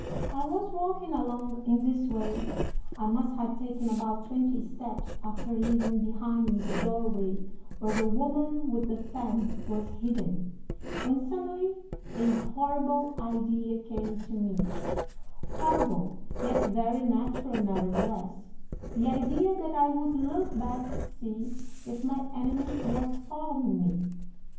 "'I was walking along in this way I must have taken about twenty steps after leaving behind me the doorway where the woman with the fan was hidden, when suddenly a horrible idea came to me horrible, yet very natural nevertheless the idea that I would look back to see if my enemy was following me.